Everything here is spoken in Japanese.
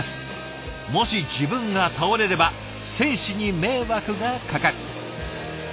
もし自分が倒れれば選手に迷惑がかかる。